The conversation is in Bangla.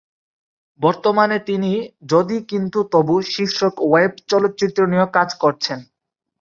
বর্তমানে তিনি "যদি কিন্তু তবু" শীর্ষক ওয়েব চলচ্চিত্র নিয়ে কাজ করছেন।